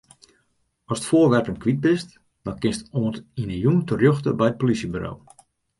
Ast foarwerpen kwyt bist, dan kinst oant yn 'e jûn terjochte op it plysjeburo.